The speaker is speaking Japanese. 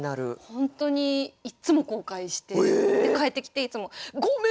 本当にいっつも後悔して帰ってきていつも「ごめん！何か」。